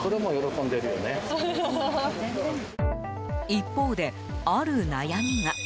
一方で、ある悩みが。